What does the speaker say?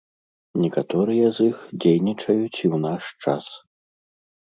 Некаторыя з іх дзейнічаюць і ў наш час.